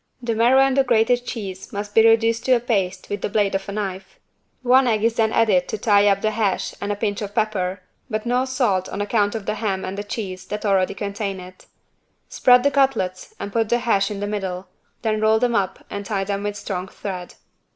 The marrow and the grated cheese must be reduced to a paste with the blade of a knife. One egg is then added to tie up the hash and a pinch of pepper, but no salt on account of the ham and the cheese that already contain it. Spread the cutlets and put the hash in the middle, then roll them up and tie them with strong thread.